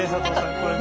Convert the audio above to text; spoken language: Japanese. これね。